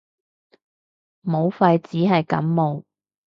武肺只係感冒